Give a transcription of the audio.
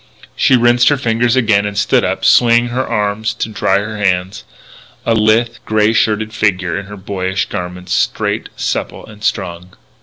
She rinsed her fingers again and stood up, swinging her arms to dry her hands, a lithe, grey shirted figure in her boyish garments, straight, supple, and strong.